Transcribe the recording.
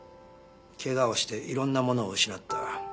怪我をしていろんなものを失った。